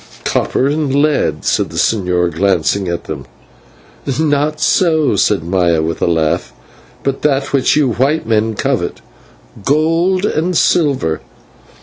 "Copper and lead," said the señor glancing at them. "Not so," answered Maya with a laugh, "but that which you white men covet, gold and silver.